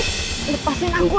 lepasin aku alex